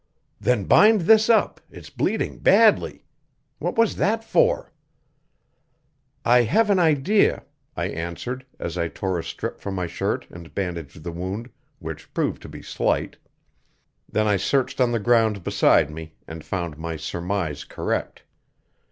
"Then bind this up; it's bleeding badly. What was that for?" "I have an idea," I answered as I tore a strip from my shirt and bandaged the wound, which proved to be slight. Then I searched on the ground beside me, and found my surmise correct.